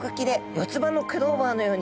四つ葉のクローバーのように。